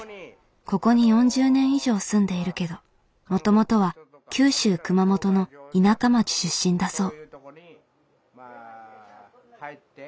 ここに４０年以上住んでいるけどもともとは九州熊本の田舎町出身だそう。